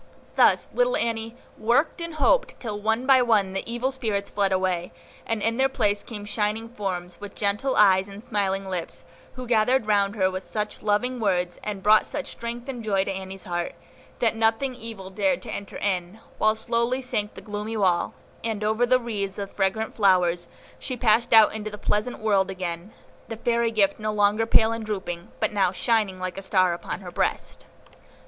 Thus little Annie worked and hoped, till one by one the evil spirits fled away, and in their place came shining forms, with gentle eyes and smiling lips, who gathered round her with such loving words, and brought such strength and joy to Annie's heart, that nothing evil dared to enter in; while slowly sank the gloomy wall, and, over wreaths of fragrant flowers, she passed out into the pleasant world again, the fairy gift no longer pale and drooping, but now shining like a star upon her breast.